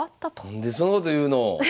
何でそんなこと言うの。